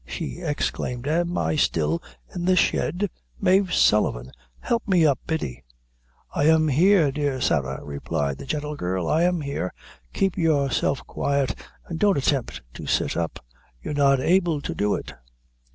she exclaimed; "am I still in the shed? Mave Sullivan! help me up, Biddy." "I am here, dear Sarah," replied the gentle girl "I am here; keep yourself quiet and don't attempt to sit up; you're not able to do it."